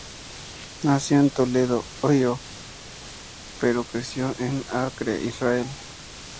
Nació en Toledo, Ohio, pero creció en Acre, Israel.